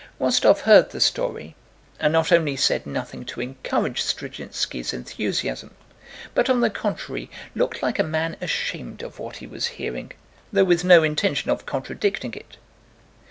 Rostóv heard the story and not only said nothing to encourage Zdrzhinski's enthusiasm but, on the contrary, looked like a man ashamed of what he was hearing, though with no intention of contradicting it.